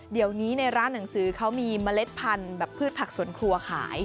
เดี๋ยวนี้ในร้านหนังสือเขามีเมล็ดพันธุ์แบบพืชผักสวนครัวขาย